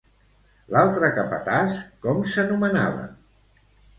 L'altre capatàs, com s'anomenava?